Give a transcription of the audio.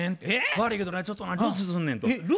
「悪いけどなちょっと留守すんねん」と。